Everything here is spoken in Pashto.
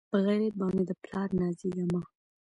پۀ غېرت باندې د پلار نازېږه مۀ